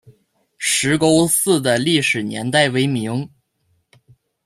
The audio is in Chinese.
石沟寺的历史年代为明。